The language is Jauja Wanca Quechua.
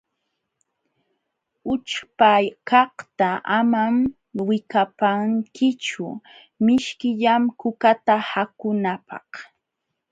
Ućhpakaqta amam wikapankichu, mishkillam kukata akunapq.